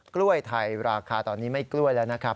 กล้วยไทยราคาตอนนี้ไม่กล้วยแล้วนะครับ